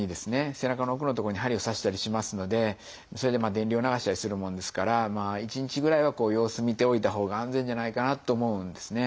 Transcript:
背中の奥の所に針を刺したりしますのでそれで電流を流したりするもんですから１日ぐらいは様子見ておいたほうが安全じゃないかなと思うんですね。